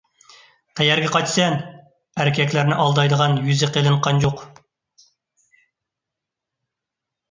قەيەرگە قاچىسەن، ئەركەكلەرنى ئالدايدىغان يۈزى قېلىن قانجۇق!